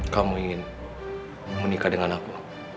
kamu ingin menikah dengan aku